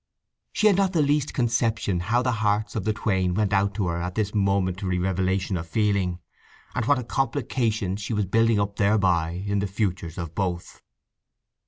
She had not the least conception how the hearts of the twain went out to her at this momentary revelation of feeling, and what a complication she was building up thereby in the futures of both.